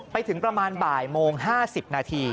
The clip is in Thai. ไปถึงประมาณบ่ายโมง๕๐นาที